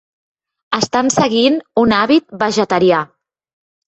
Estan seguint un hàbit vegetarià.